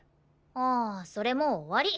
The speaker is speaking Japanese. ああそれもう終わり。